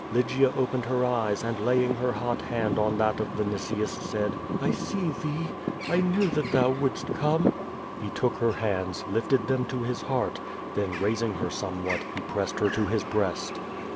Lygia opened her eyes and laying her hot hand on that of Vinitius, said: "I see thee. I knew that thou wouldst come.^' He took her hands, lifted them to his heart, then raising her somewhat, he pressed her to his breast.